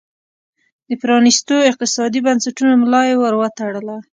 د پرانیستو اقتصادي بنسټونو ملا یې ور وتړله.